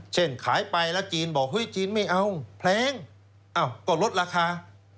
เช่นขายไปแล้วจีนบอกจีนไม่เอาแพลงก็ลดราคา